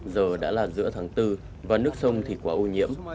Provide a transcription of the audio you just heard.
giờ đã là giữa tháng bốn và nước sông thì quá ô nhiễm